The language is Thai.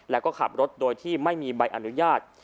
แล้วก็ขับรถโดยที่ไม่มีใบอนุญาต